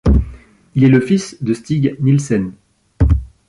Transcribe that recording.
Il est le fils de Stig Nielsen.